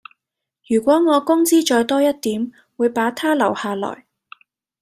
如果我工資再多一點會把她留下來